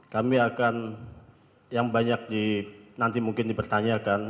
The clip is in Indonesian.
kami akan yang banyak nanti mungkin dipertanyakan